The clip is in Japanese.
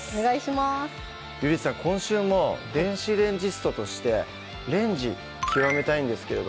今週も電子レンジストとしてレンジ極めたいんですけれど